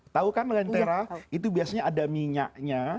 tahu kan lentera itu biasanya ada minyaknya